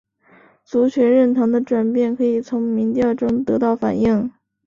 族群认同的转变可以从民调中得到反映。